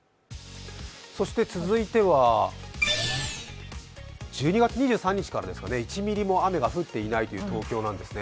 続いては、１２月２３日から１ミリも雨が降っていないという東京なんですね